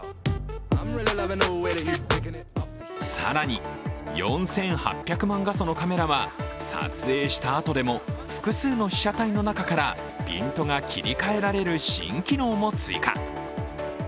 更に４８００万画素のカメラは撮影したあとでも複数の被写体の中からピントが切り替えられる新機能も追加。